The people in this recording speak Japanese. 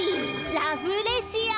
ラフレシア！